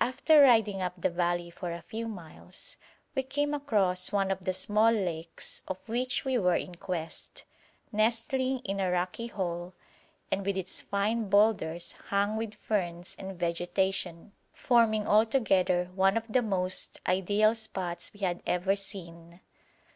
After riding up the valley for a few miles, we came across one of the small lakes of which we were in quest, nestling in a rocky hole, and with its fine boulders hung with ferns and vegetation, forming altogether one of the most ideal spots we had ever seen.